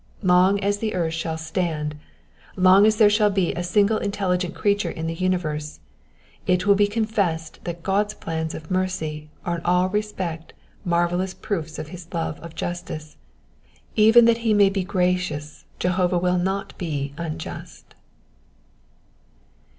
Lon^ as the earth shall stand, long as there shall be a single intelligent creature m the universe, it will be confessed that God's plans of mercy are in all respects marvellous proofs of his love of justice : even that he may be gracious Jehovah will not be unjust.